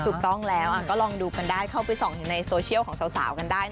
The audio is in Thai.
ถูกต้องแล้วก็ลองดูกันได้เข้าไปส่องในโซเชียลของสาวกันได้